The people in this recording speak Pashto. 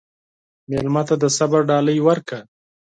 مېلمه ته د صبر ډالۍ ورکړه.